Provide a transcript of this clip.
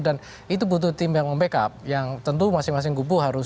itu butuh tim yang membackup yang tentu masing masing kubu harus